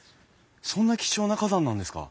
そんな貴重な花壇なんですか？